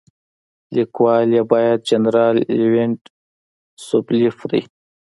لیکوال یې برید جنرال لیونید سوبولیف دی.